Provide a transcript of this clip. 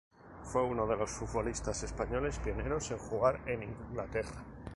Fue uno de los futbolistas españoles pioneros en jugar en Inglaterra.